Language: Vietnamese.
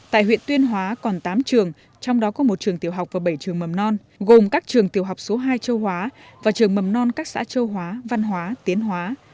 tại huyện tuyên hóa còn tám trường trong đó có một trường tiểu học và bảy trường mầm non gồm các trường tiểu học số hai châu hóa và trường mầm non các xã châu hóa văn hóa tiến hóa